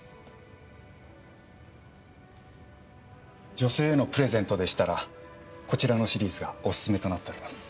女性へのプレゼントでしたらこちらのシリーズがお薦めとなっております。